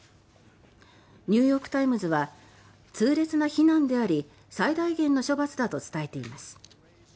ニューヨーク・タイムズは痛烈な非難であり最大限の処罰だと伝えています。